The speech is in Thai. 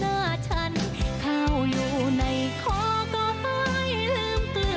เมตตาจงเกิดแค่ฉันเข้าอยู่ในข้อก็หายลืมเกลือ